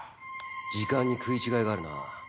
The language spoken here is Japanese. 時間に食い違いがあるな。